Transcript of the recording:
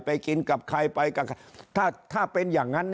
ไปกินกับใครถ้าเป็นอย่างนั้น